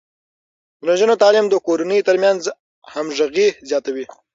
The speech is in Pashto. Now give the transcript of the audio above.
د نجونو تعليم د کورنيو ترمنځ همغږي زياتوي.